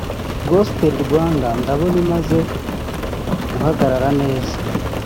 Gospel mu Rwanda ndabona imaze guhagarara neza